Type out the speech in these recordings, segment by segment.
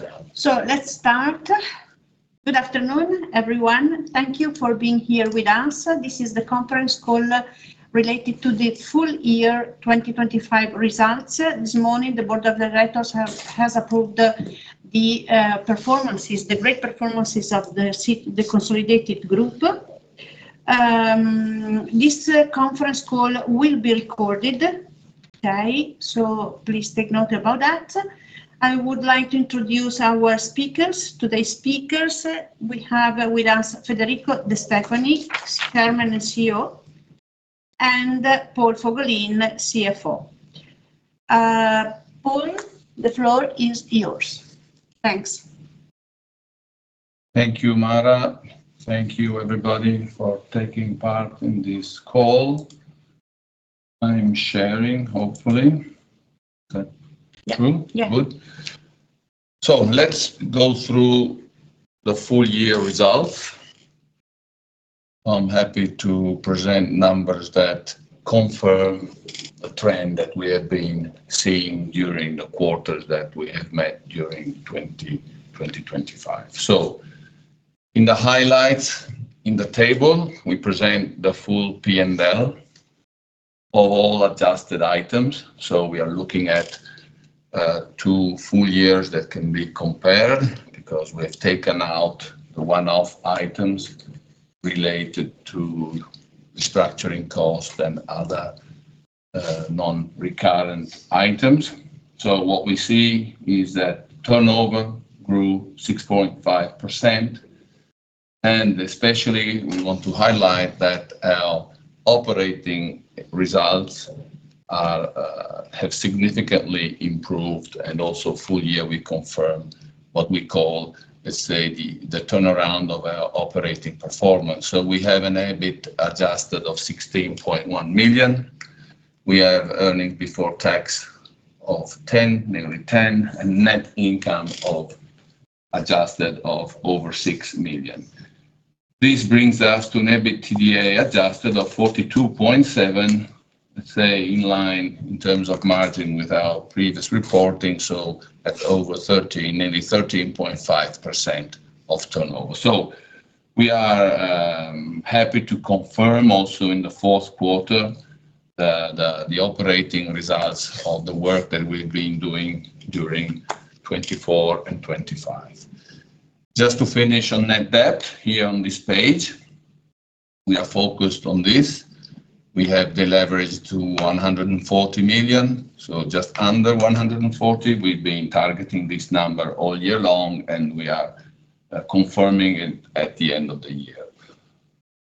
Okay. Let's start. Good afternoon, everyone. Thank you for being here with us. This is the conference call related to the full year 2025 results. This morning, the Board of Directors has approved the great performances of the consolidated group. This conference call will be recorded, okay? Please take note about that. I would like to introduce our speakers. Today's speakers, we have with us Federico de' Stefani, Chairman and CEO, and Paul Fogolin, CFO. Paul, the floor is yours. Thanks. Thank you, Mara. Thank you everybody for taking part in this call. I'm sharing, hopefully. Okay. Yeah. Good. Let's go through the full year results. I'm happy to present numbers that confirm a trend that we have been seeing during the quarters that we have met during 2025. In the highlights in the table, we present the full P&L of all adjusted items. We are looking at two full years that can be compared, because we have taken out the one-off items related to restructuring costs and other non-recurrent items. What we see is that turnover grew 6.5%, and especially we want to highlight that our operating results have significantly improved. Full year, we confirmed what we call, let's say, the turnaround of our operating performance. We have an EBIT adjusted of 16.1 million. We have earnings before tax of nearly 10, and net income adjusted of over six million. This brings us to an EBITDA adjusted of 42.7, let's say, in line in terms of margin with our previous reporting, so at nearly 13.5% of turnover. We are happy to confirm also in the fourth quarter the operating results of the work that we've been doing during 2024 and 2025. Just to finish on net debt here on this page, we are focused on this. We have the leverage to 140 million, just under 140. We've been targeting this number all year long, and we are confirming it at the end of the year.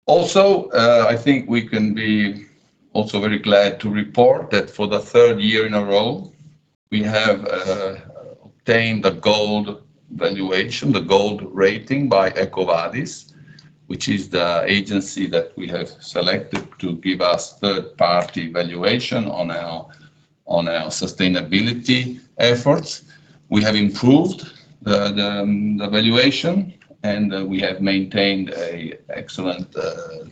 Also, I think we can be also very glad to report that for the third year in a row, we have obtained the gold valuation, the gold rating by EcoVadis, which is the agency that we have selected to give us third-party valuation on our sustainability efforts. We have improved the valuation, and we have maintained a excellent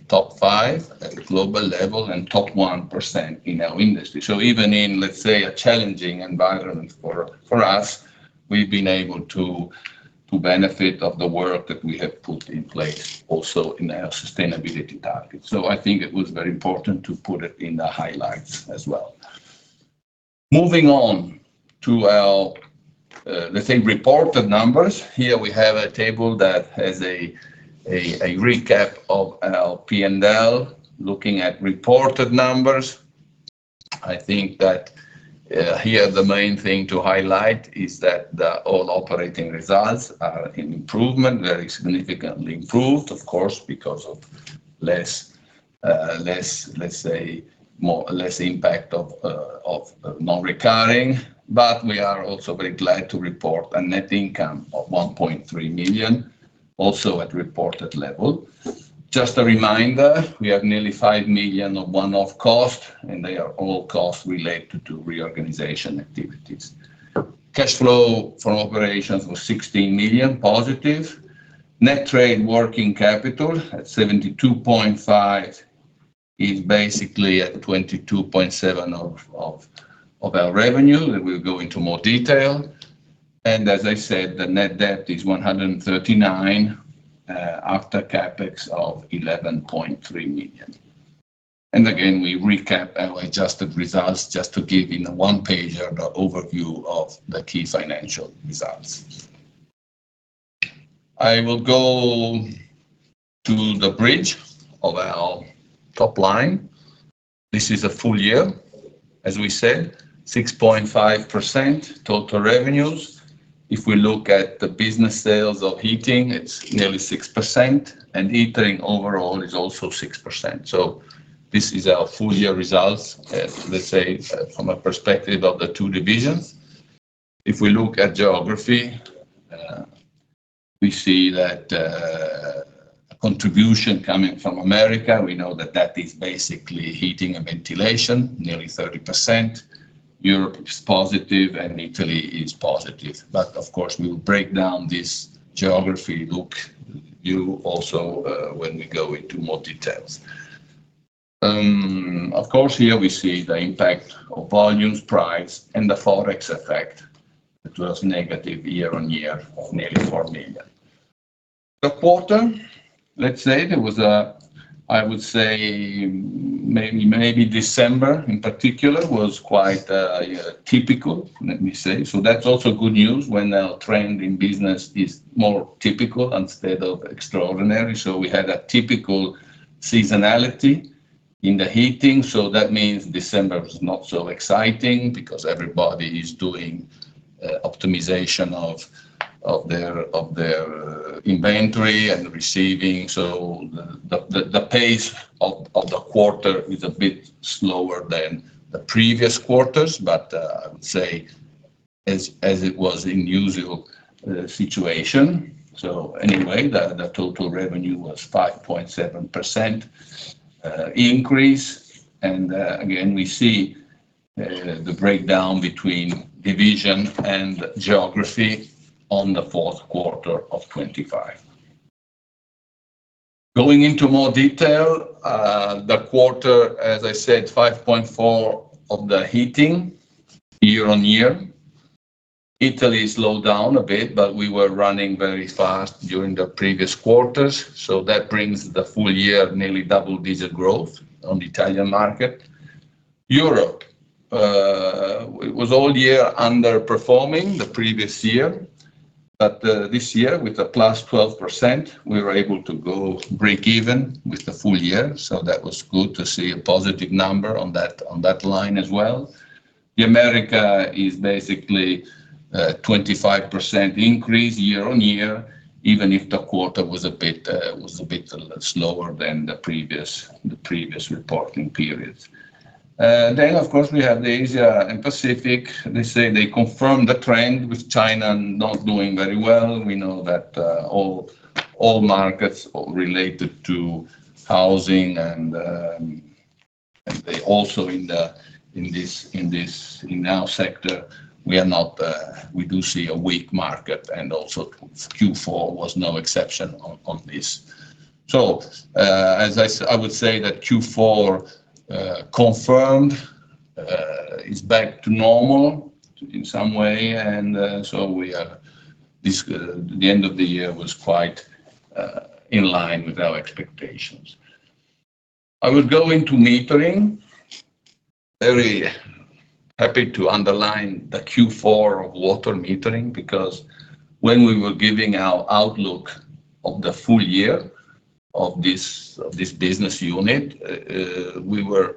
top five at global level and top 1% in our industry. Even in, let's say, a challenging environment for us, we've been able to benefit of the work that we have put in place also in our sustainability targets. I think it was very important to put it in the highlights as well. Moving on to our, let's say, reported numbers. Here we have a table that has a recap of our P&L, looking at reported numbers. I think that, here, the main thing to highlight is that the all operating results are in improvement, very significantly improved, of course, because of, let's say, less impact of non-reoccurring. We are also very glad to report a net income of 1.3 million, also at reported level. Just a reminder, we have nearly 5 million of one-off cost, and they are all costs related to reorganization activities. Cash flow from operations was 16 million, positive. Net Trade Working Capital at 72.5 is basically at 22.7% of our revenue, and we'll go into more detail. As I said, the Net Debt is 139, after CapEx of 11.3 million. Again, we recap our Adjusted Results just to give in a one-pager the overview of the key financial results. I will go to the bridge of our Top Line. This is a full year, as we said, 6.5% Total Revenues. If we look at the Business Sales of Heating, it's nearly 6%, and Heating overall is also 6%. This is our Full Year results, let's say, from a perspective of the two divisions. If we look at geography, we see that a contribution coming from America, we know that that is basically heating and ventilation, nearly 30%. Europe is positive and Italy is positive. Of course, we will break down this geography look view also when we go into more details. Of course, here we see the impact of volumes, price, and the Forex effect, which was negative year-on-year of nearly 4 million. I would say maybe December in particular was quite typical, let me say. That's also good news when our trend in business is more typical instead of extraordinary. We had a typical seasonality in the heating. That means December was not so exciting because everybody is doing optimization of their inventory and receiving. The pace of the quarter is a bit slower than the previous quarters. I would say as it was in usual situation. Anyway, the total revenue was 5.7% increase. Again, we see the breakdown between division and geography on the fourth quarter of 2025. Going into more detail, the quarter, as I said, 5.4% of the heating year-on-year. Italy slowed down a bit, but we were running very fast during the previous quarters. That brings the full year of nearly double-digit growth on the Italian market. Europe, it was all year underperforming the previous year, but this year, with a +12%, we were able to go break even with the full year. That was good to see a positive number on that line as well. The America is basically a 25% increase year-on-year, even if the quarter was a bit slower than the previous reporting periods. Of course, we have the Asia and Pacific. They confirmed the trend with China not doing very well. We know that all markets related to housing, and also in our sector, we do see a weak market, and also Q4 was no exception on this. As I would say, Q4 confirmed it's back to normal in some way, and so the end of the year was quite in line with our expectations. I would go into metering. I am very happy to underline the Q4 of water metering because when we were giving our outlook of the full year of this business unit, we were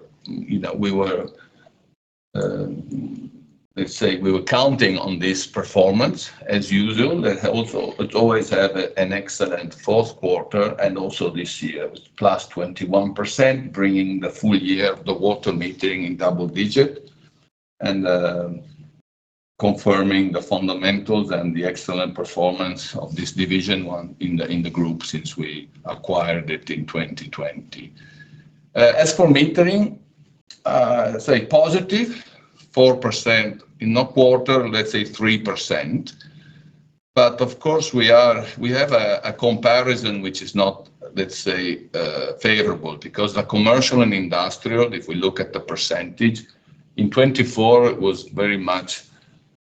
counting on this performance as usual. It always have an excellent fourth quarter and also this year, it was +21%, bringing the full year of the Water Metering in double digit, and confirming the fundamentals and the excellent performance of this division in the Group since we acquired it in 2020. As for Metering, say +4% in the quarter, let's say 3%. Of course, we have a comparison which is not, let's say, favorable, because the Commercial and Industrial, if we look at the percentage, in 2024, it was very much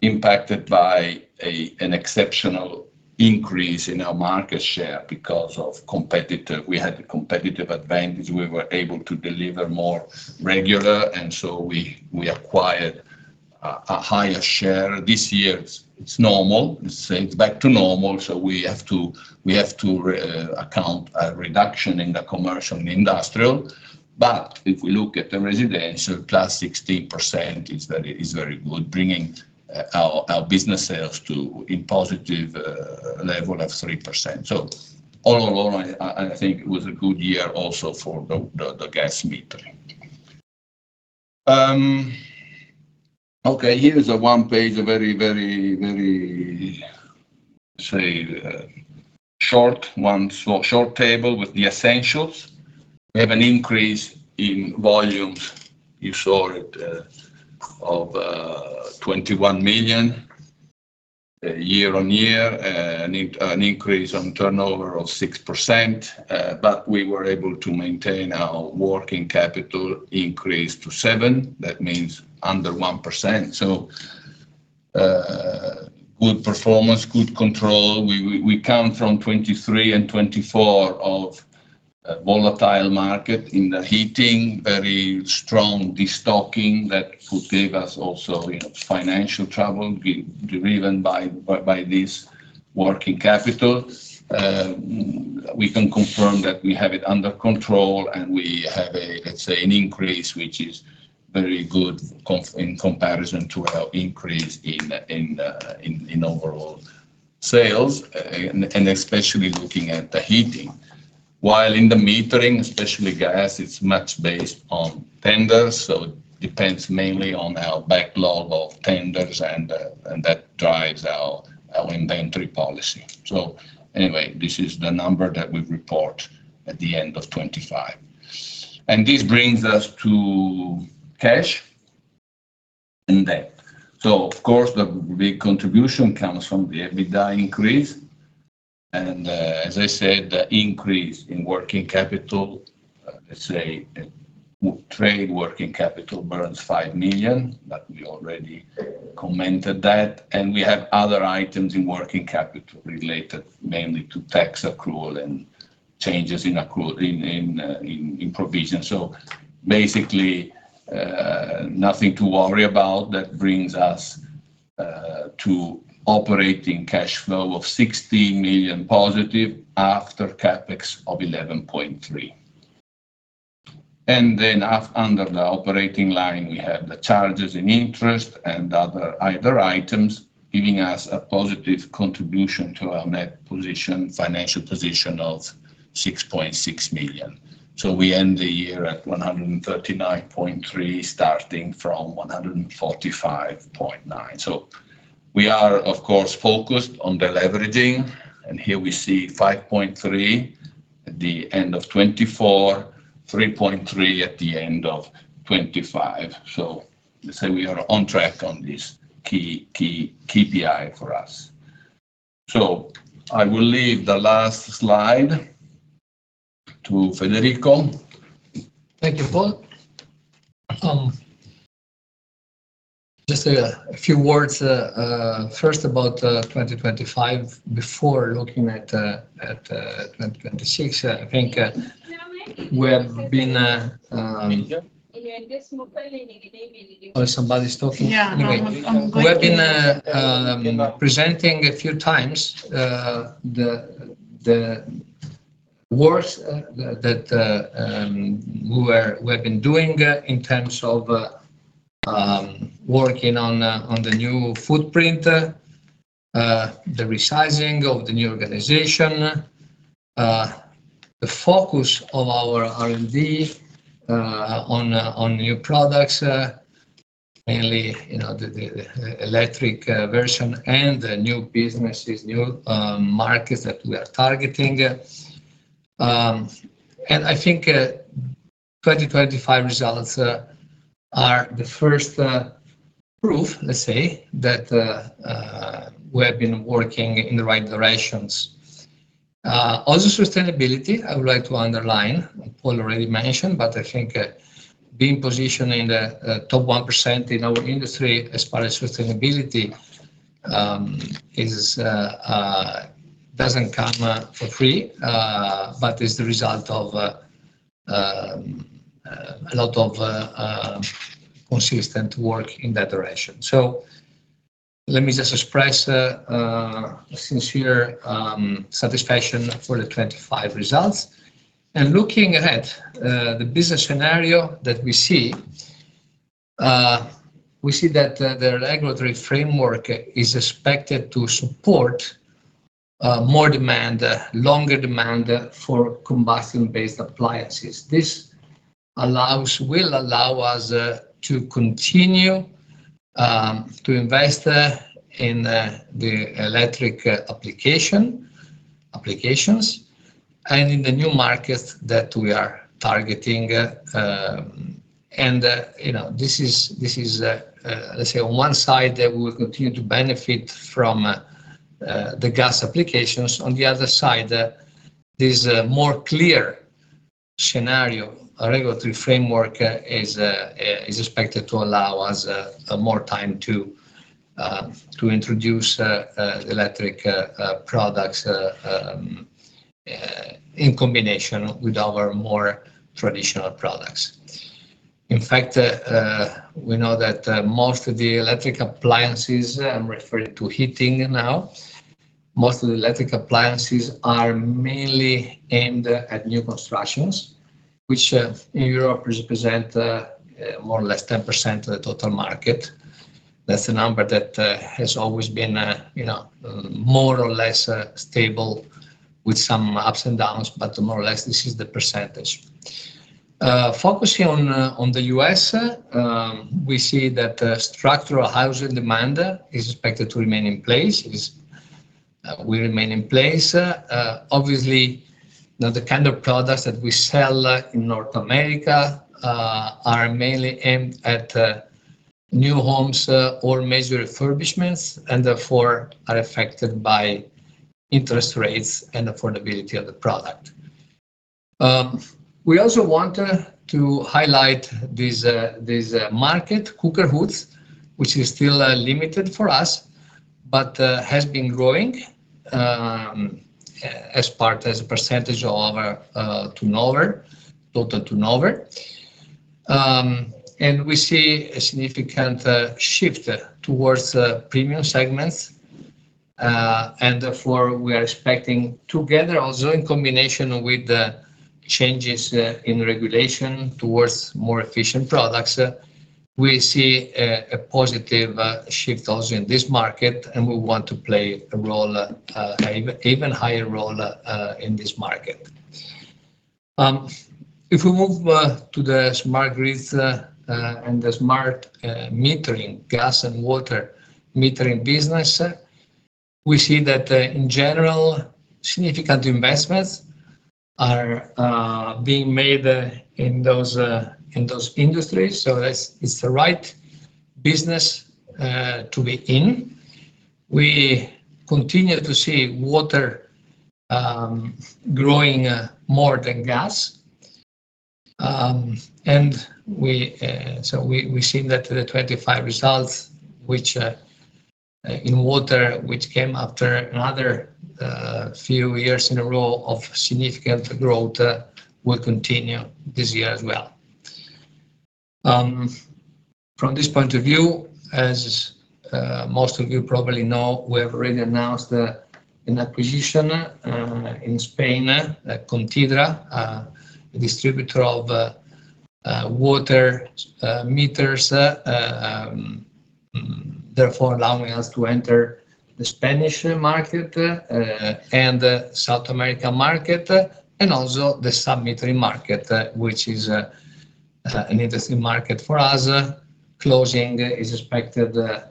impacted by an exceptional increase in our market share. We had a competitive advantage. We were able to deliver more regular, and so we acquired a higher share. This year, it's normal. It's back to normal. We have to account a reduction in the Commercial and Industrial. If we look at the residential, +16% is very good, bringing our business sales to a positive level of 3%. All in all, I think it was a good year also for the gas metering. Okay, here is a one-page, a very, say, short table with the essentials. We have an increase in volumes, you saw it, of EUR 21 million year-over-year, an increase on turnover of 6%, but we were able to maintain our working capital increase to 7%. That means under 1%. Good performance, good control. We come from 2023 and 2024 of a volatile market in the heating, very strong destocking. That could give us also financial trouble driven by this working capital. We can confirm that we have it under control and we have, let's say, an increase, which is very good in comparison to our increase in overall sales, and especially looking at the heating. While in the metering, especially gas, it's much based on tenders, so it depends mainly on our backlog of tenders, and that drives our inventory policy. Anyway, this is the number that we report at the end of 2025. This brings us to cash and debt. Of course, the big contribution comes from the EBITDA increase, and as I said, the increase in working capital, let's say trade working capital burns 5 million, but we already commented that. We have other items in working capital related mainly to tax accrual and changes in provision. Basically, nothing to worry about. That brings us to operating cash flow of 16 million positive after CapEx of 11.3. Under the operating line, we have the charges and interest and other items giving us a positive contribution to our financial position of 6.6 million. We end the year at 139.3, starting from 145.9. We are, of course, focused on the leveraging, and here we see 5.3 at the end of 2024, 3.3 at the end of 2025. Let's say we are on track on this key KPI for us. I will leave the last slide to Federico. Thank you, Paul. Just a few words, first about 2025 before looking at 2026. I think we have been, oh, somebody's talking. Yeah. No, I'm good. Anyway, we have been presenting a few times the work that we have been doing in terms of working on the new footprint, the resizing of the new organization, the focus of our R&D on new products, mainly the electric version and the new businesses, new markets that we are targeting. I think 2025 results are the first proof, let's say, that we have been working in the right directions. Also, sustainability, I would like to underline, Paul already mentioned, but I think being positioned in the top 1% in our industry as far as sustainability doesn't come for free, but is the result of a lot of consistent work in that direction. Let me just express a sincere satisfaction for the 2025 results. Looking ahead, the business scenario that we see that the regulatory framework is expected to support more demand, longer demand for combustion-based appliances. This will allow us to continue to invest in the electric applications and in the new markets that we are targeting. This is, let's say, on one side that we will continue to benefit from the gas applications. On the other side, this more clear scenario, a regulatory framework is expected to allow us more time to introduce electric products in combination with our more traditional products. In fact, we know that, I'm referring to heating now, most of the electric appliances are mainly aimed at new constructions, which in Europe represent more or less 10% of the total market. That's a number that has always been more or less stable with some ups and downs, but more or less this is the percentage. Focusing on the U.S., we see that structural housing demand is expected to remain in place, will remain in place. Obviously, the kind of products that we sell in North America are mainly aimed at new homes or major refurbishments and therefore are affected by interest rates and affordability of the product. We also want to highlight this market, cooker hoods, which is still limited for us but has been growing as a percentage of our turnover, total turnover. We see a significant shift towards the premium segments, and therefore we are expecting together also in combination with the changes in regulation towards more efficient products, we see a positive shift also in this market, and we want to play an even higher role in this market. If we move to the smart grid and the smart metering, gas and water metering business, we see that in general, significant investments are being made in those industries. It's the right business to be in. We continue to see water growing more than gas. We see that the 2025 results in water, which came after another few years in a row of significant growth, will continue this year as well. From this point of view, as most of you probably know, we have already announced an acquisition in Spain, Conthidra, a distributor of water meters, therefore allowing us to enter the Spanish market and the South American market, and also the sub-metering market, which is an interesting market for us. Closing is expected by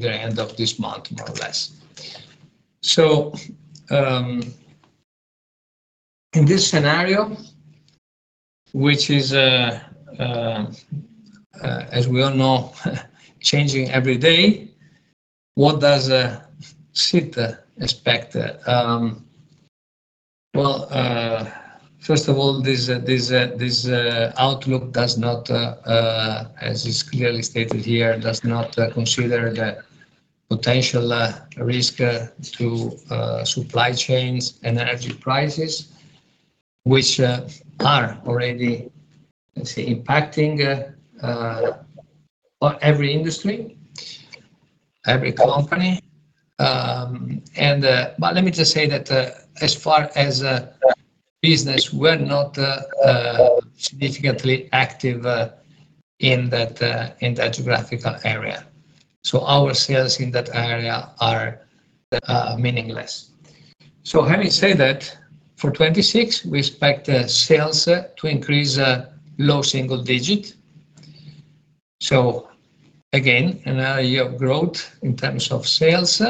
the end of this month, more or less. In this scenario, which is as we all know, changing every day, what does SIT expect? Well, first of all, this outlook, as is clearly stated here, does not consider the potential risk to supply chains and energy prices, which are already impacting every industry, every company. Let me just say that as far as business, we're not significantly active in that geographical area. Our sales in that area are meaningless. Having said that, for 2026, we expect sales to increase low single digit. Again, another year of growth in terms of sales,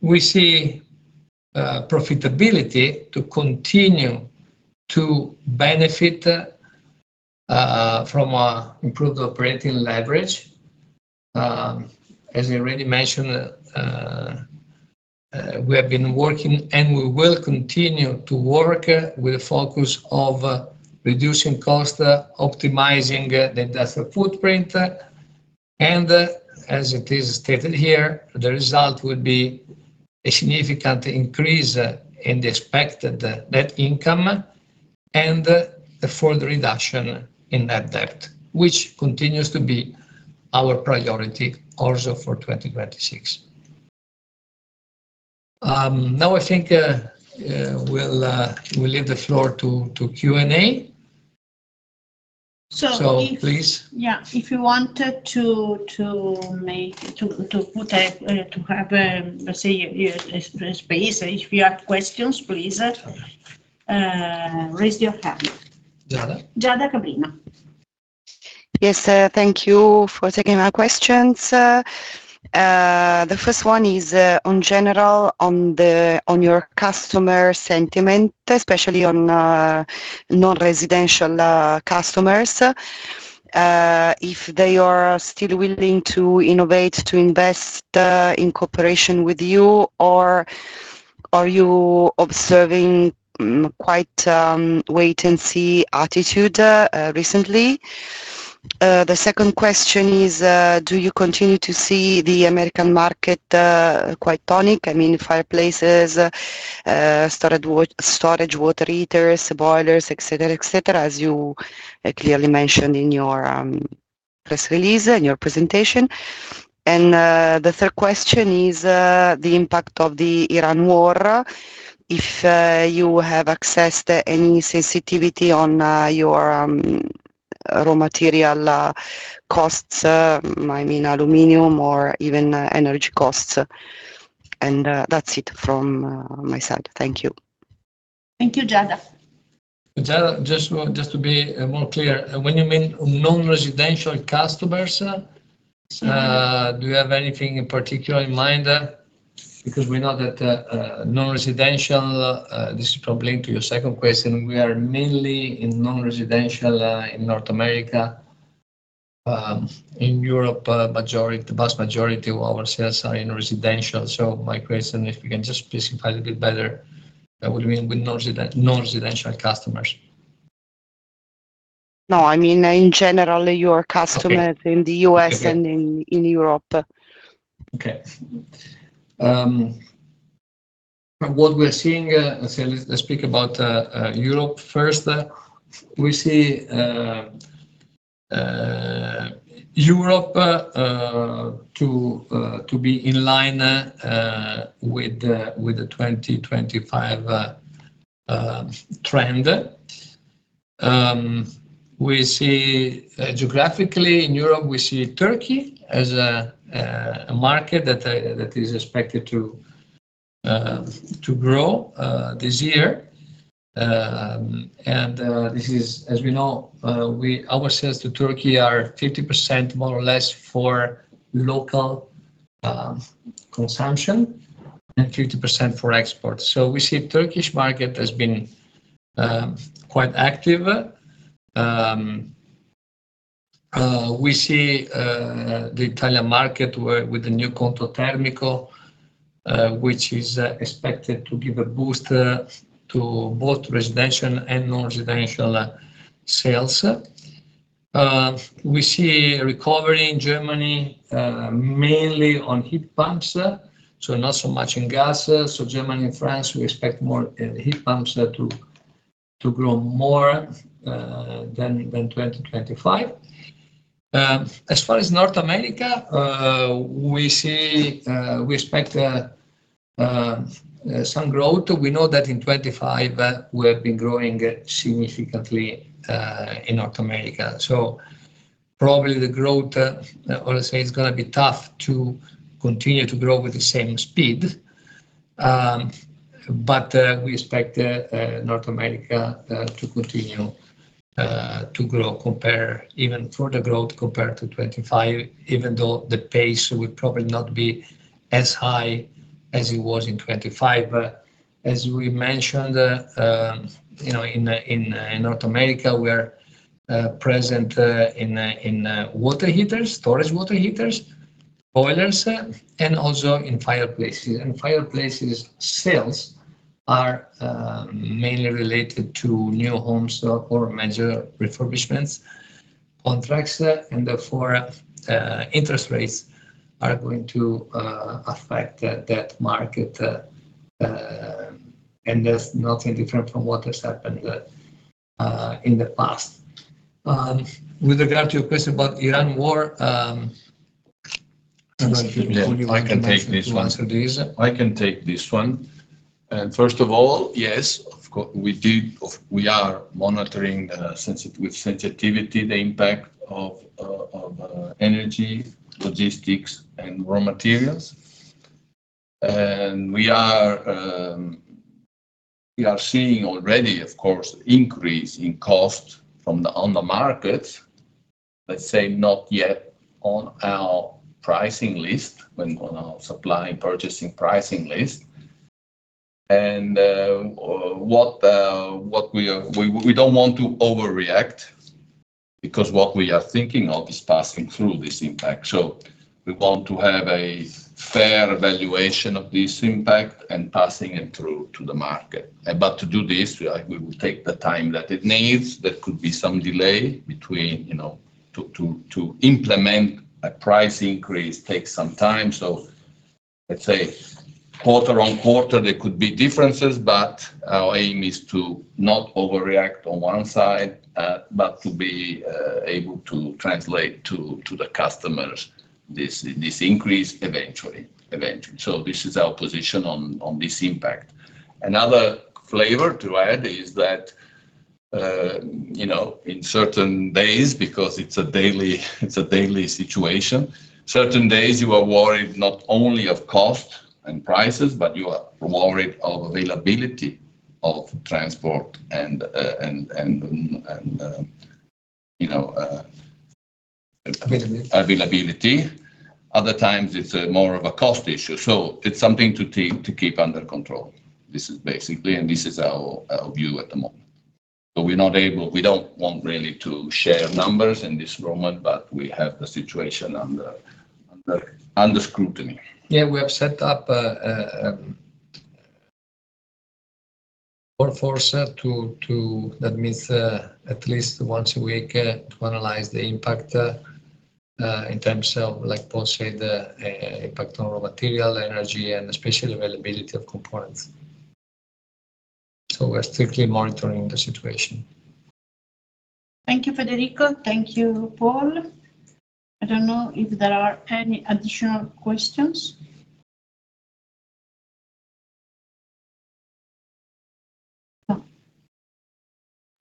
we see profitability to continue to benefit from our improved operating leverage. As I already mentioned, we have been working and we will continue to work with a focus of reducing cost, optimizing the industrial footprint. As it is stated here, the result will be a significant increase in the expected net income and a further reduction in net debt, which continues to be our priority also for 2026. Now I think we'll leave the floor to Q&A. So- Please. Yeah, if you want to have, let's say, a space, if you have questions, please raise your hand. Giada. Giada Cattaneo. Yes, thank you for taking my questions. The first one is on your customer sentiment, especially on non-residential customers, if they are still willing to innovate, to invest in cooperation with you, or are you observing quite wait-and-see attitude recently? The second question is, do you continue to see the American market quite tonic? I mean, fireplaces, storage water heaters, boilers, et cetera, as you clearly mentioned in your press release and your presentation. The third question is the impact of the Ukraine war, if you have assessed any sensitivity on your raw material costs, I mean aluminum or even energy costs. That's it from my side. Thank you. Thank you, Giada. Giada, just to be more clear, when you mean non-residential customers, do you have anything in particular in mind? Because we know that non-residential, this is probably into your second question, we are mainly in non-residential in North America. In Europe, the vast majority of our sales are in residential. My question, if you can just specify a little bit better what you mean with non-residential customers. No, I mean in general, your customers. Okay In the U.S. and in Europe. From what we're seeing, let's speak about Europe first. We see Europe to be in line with the 2025 trend. Geographically in Europe, we see Turkey as a market that is expected to grow this year. This is, as we know, our sales to Turkey are 50%, more or less, for local consumption and 50% for export. We see Turkish market has been quite active. We see the Italian market with the new conto termico, which is expected to give a boost to both residential and non-residential sales. We see a recovery in Germany, mainly on heat pumps, so not so much in gas. Germany and France, we expect more heat pumps there to grow more than 2025. As far as North America, we expect some growth. We know that in 2025, we have been growing significantly in North America, so probably the growth, honestly, it's going to be tough to continue to grow with the same speed. We expect North America to continue to grow, even further growth compared to 2025, even though the pace will probably not be as high as it was in 2025. As we mentioned, in North America, we're present in water heaters, storage water heaters, boilers, and also in fireplaces. Fireplaces sales are mainly related to new homes or major refurbishments contracts, and therefore, interest rates are going to affect that market. There's nothing different from what has happened in the past. With regard to your question about Ukraine war, maybe Paul, you want to. I can take this one. Answer this? I can take this one. First of all, yes, of course, we are monitoring with sensitivity the impact of energy, logistics, and raw materials. We are seeing already, of course, increase in cost on the market, let's say not yet on our pricing list, on our purchasing pricing list. We don't want to overreact, because what we are thinking of is passing through this impact, so we want to have a fair evaluation of this impact and passing it through to the market. To do this, we will take the time that it needs. There could be some delay. To implement a price increase takes some time. Let's say quarter-on-quarter, there could be differences, but our aim is to not overreact on one side, but to be able to translate to the customers this increase eventually. This is our position on this impact. Another flavor to add is that, because it's a daily situation, certain days you are worried not only of cost and prices, but you are worried of availability of transport. Availability Availability. Other times, it's more of a cost issue. It's something to keep under control, basically, and this is our view at the moment. We don't want really to share numbers in this moment, but we have the situation under scrutiny. Yeah, we have set up a force to, at least once a week, analyze the impact in terms of, like Paul said, impact on raw material, energy, and especially availability of components. We're strictly monitoring the situation. Thank you, Federico. Thank you, Paul. I don't know if there are any additional questions.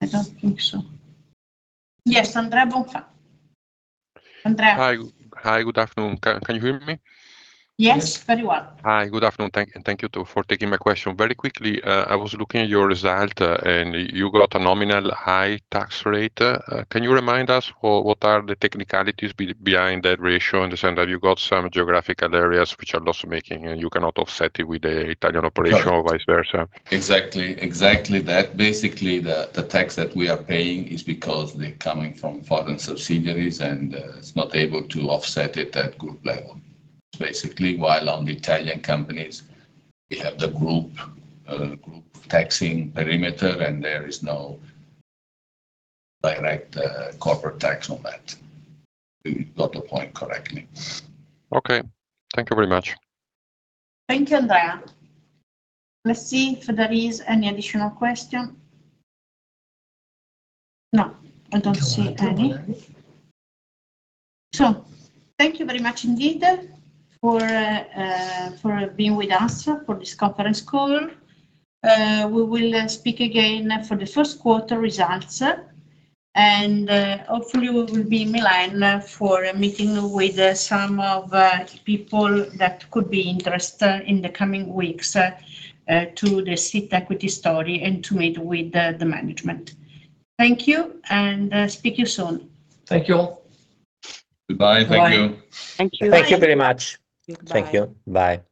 No, I don't think so. Yes, Andrea Bonfà. Andrea. Hi. Good afternoon. Can you hear me? Yes, very well. Hi. Good afternoon. Thank you two for taking my question. Very quickly, I was looking at your result, and you got a nominal high tax rate. Can you remind us what are the technicalities behind that ratio, in the sense that you got some geographical areas which are loss-making, and you cannot offset it with the Italian operation or vice versa? Exactly that. Basically, the tax that we are paying is because they're coming from foreign subsidiaries, and it's not able to offset it at group level. Basically, while on the Italian companies, we have the group taxing perimeter, and there is no direct corporate tax on that. You got the point correctly. Okay. Thank you very much. Thank you, Andrea. Let's see if there is any additional question. No, I don't see any. Thank you very much indeed for being with us for this conference call. We will speak again for the first quarter results, and hopefully we will be in Milan for a meeting with some of the people that could be interested in the coming weeks to the SIT equity story and to meet with the management. Thank you, and speak to you soon. Thank you, all. Goodbye. Thank you. Bye. Thank you. Thank you. Thank you very much. Goodbye. Thank you. Bye. Bye.